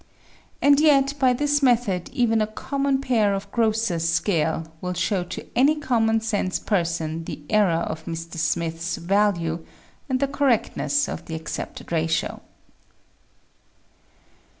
And yet by this method even a common pair of grocer's scales will show to any common sense person the error of Mr. Smith's value and the correctness of the accepted ratio.